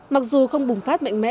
mặc dù không bùng phát mạnh mẽ